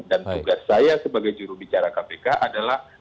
dan tugas saya sebagai juru bicara kpk adalah